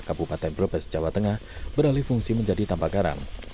kabupaten brebes jawa tengah beralih fungsi menjadi tanpa garam